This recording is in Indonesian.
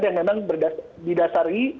yang memang didasari